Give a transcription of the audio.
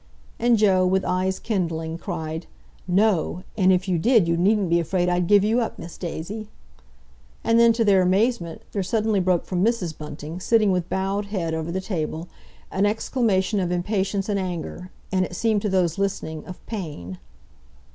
And Joe, with eyes kindling, cried, "No. And if you did you needn't be afraid I'd give you up, Miss Daisy!" And then, to their amazement, there suddenly broke from Mrs. Bunting, sitting with bowed head over the table, an exclamation of impatience and anger, and, it seemed to those listening, of pain.